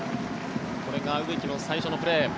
これが植木の最初のプレー。